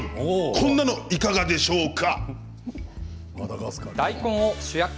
こんなのいかがでしょうか？